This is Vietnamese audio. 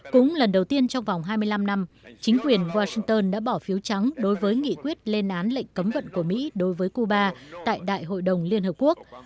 cũng lần đầu tiên trong vòng hai mươi năm năm chính quyền washington đã bỏ phiếu trắng đối với nghị quyết lên án lệnh cấm vận của mỹ đối với cuba tại đại hội đồng liên hợp quốc